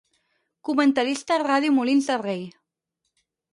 Comentarista a Ràdio Molins de Rei.